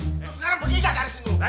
lo sekarang pergi gak dari sini